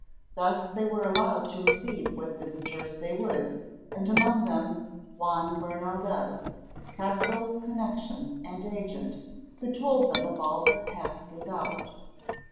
Thus they were allowed to receive what visitors they would, and among them Juan Bernaldez, Castell's connection and agent, who told them of all that passed without.